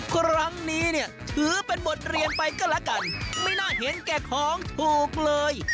ครั้งนี้เนี่ยถือเป็นบทเรียนไปก็แล้วกันไม่น่าเห็นแก่ของถูกเลย